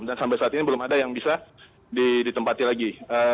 dan sampai saat ini belum ada yang bisa ditempati lagi